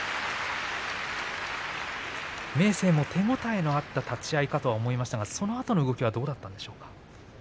明生も手応えがあった立ち合いかと思いましたがそのあとの動きはどうだったでしょうか。